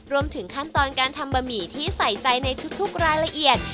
รวมถึงขั้นตอนการทำบะหมี่ที่ใส่ใจในทุกรายละเอียด